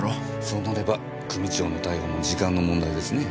そうなれば組長の逮捕も時間の問題ですね。